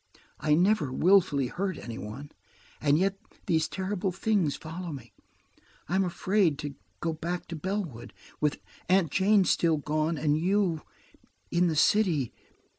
I never wilfully hurt any one, and yet–these terrible things follow me. I am afraid–to go back to Bellwood, with Aunt Jane still gone, and you–in the city."